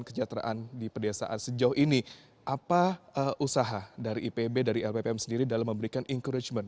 kesejahteraan di pedesaan sejauh ini apa usaha dari ipb dari lppm sendiri dalam memberikan encouragement